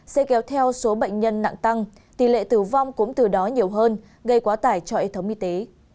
sẽ kéo theo số bệnh nhân nặng tăng tỷ lệ tử vong cũng từ đó nhiều hơn gây quá tải cho hệ thống y tế